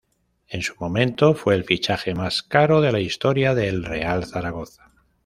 En su momento fue el fichaje más caro de la historia del Real Zaragoza.